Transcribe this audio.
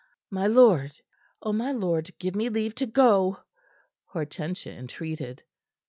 "My lord! Oh, my lord, give me leave to go," Hortensia entreated.